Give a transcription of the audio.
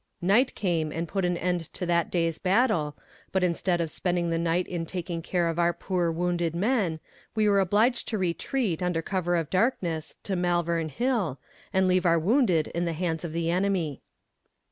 Night came and put an end to that day's battle, but instead of spending the night in taking care of our poor wounded men, we were obliged to retreat, under cover of darkness, to Malvern Hill, and leave our wounded in the hands of the enemy.